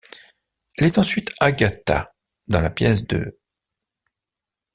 Elle est ensuite Agatha dans la pièce de '.